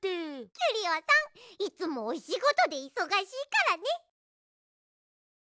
キュリオさんいつもおしごとでいそがしいからね。